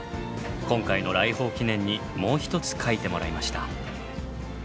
今回の来訪記念にもう一つ描いてもらいました。